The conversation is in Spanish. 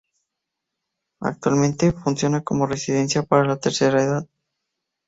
Actualmente, funciona como residencia para la Tercera Edad.